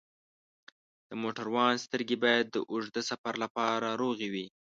د موټروان سترګې باید د اوږده سفر لپاره روغې وي.